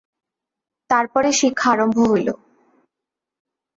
তার পরে শিক্ষা আরম্ভ হইল।